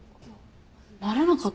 なれなかったの？